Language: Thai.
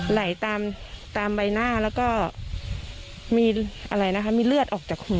ไหลตามใบหน้าแล้วก็มีเลือดออกจากหู